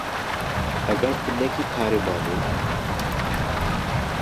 Heger tu nekî karê malê